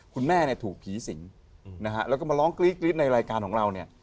คุณแม่น่ะถูกผิวสิงแล้วมาร้องกรี๊ดในรายการขณะเราเนี่ย